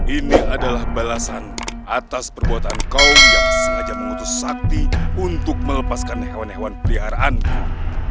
ini adalah balasan atas perbuatan kaum yang sengaja mengutus sakti untuk melepaskan hewan hewan peliharaannya